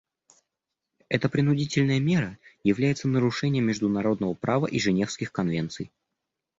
Эта принудительная мера является нарушением международного права и Женевских конвенций.